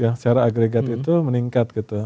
yang secara agregat itu meningkat gitu